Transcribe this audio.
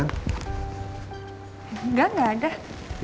enggak gak ada